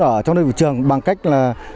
ở trong đời trường bằng cách là